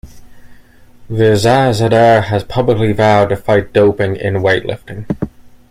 Rezazadeh has publicly vowed to fight doping in weightlifting.